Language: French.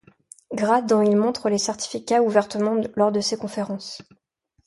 Grades dont il montre les certificats ouvertement lors de ses conférences.